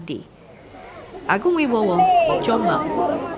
kedua jenazah ditemukan tidak jauh dari posisi penemuan jenazah ardi